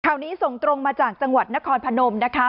ข่าวนี้ส่งตรงมาจากจังหวัดนครพนมนะคะ